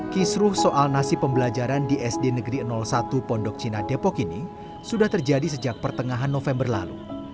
kisruh soal nasib pembelajaran di sd negeri satu pondok cina depok ini sudah terjadi sejak pertengahan november lalu